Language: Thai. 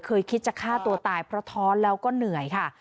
คิดจะฆ่าตัวตายเพราะท้อนแล้วก็เหนื่อยค่ะ